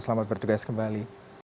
selamat bertugas kembali